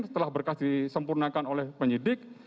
setelah berkas disempurnakan oleh penyidik